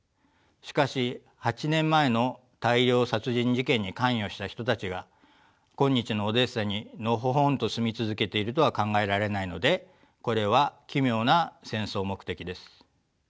しかし８年前の大量殺人事件に関与した人たちが今日のオデーサにのほほんと住み続けているとは考えられないのでこれは奇妙な戦争目的です。